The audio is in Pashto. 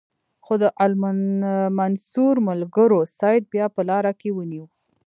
خو د المنصور ملګرو سید بیا په لاره کې ونیو.